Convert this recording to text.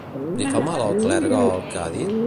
Li fa mal al clergue el que ha dit?